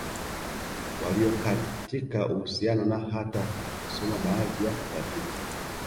Walio katika uhusiano na hata kusoma baadhi ya tafiti